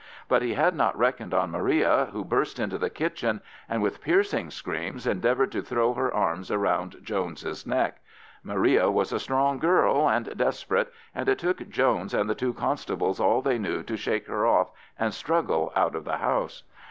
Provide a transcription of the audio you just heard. But he had not reckoned on Maria, who burst into the kitchen and with piercing screams endeavoured to throw her arms round Jones's neck. Maria was a strong girl and desperate, and it took Jones and the two constables all they knew to shake her off and struggle out of the house.